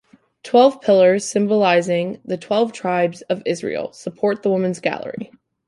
Twelve pillars, symbolising the twelve tribes of Israel, support the women's gallery.